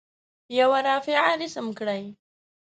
یوه رافعه رسم کړئ.